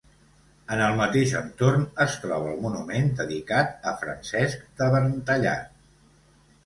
En el mateix entorn es troba el monument dedicat a Francesc de Verntallat.